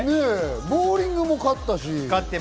ボウリングも勝ったし。